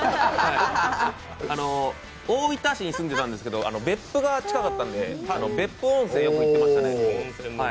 大分市に住んでたんですけど別府が近かったんで別府温泉、よく行ってましたね。